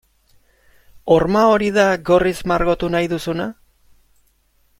Horma hori da gorriz margotu nahi duzuna?